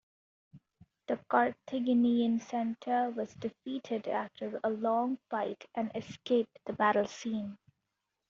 The Carthaginian centre was defeated after a long fight and escaped the battle scene.